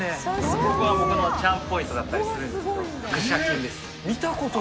そこがチャームポイントだったりするんですけど。